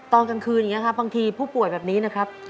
ตอนกลางคืนอย่างนี้ครับบางทีผู้ป่วยแบบนี้นะครับ